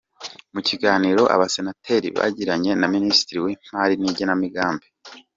Mu kiganiro abasenateri bagiranye na Minisitiri w’Imari n’Igenamigambi, Amb.